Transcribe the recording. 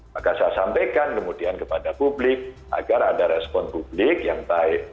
maka saya sampaikan kemudian kepada publik agar ada respon publik yang baik